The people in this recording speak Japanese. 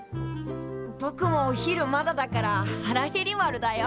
ぼくもお昼まだだからハラヘリ丸だよ。